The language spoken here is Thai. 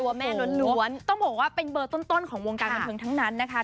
แม่ล้วนต้องบอกว่าเป็นเบอร์ต้นของวงการบันเทิงทั้งนั้นนะคะ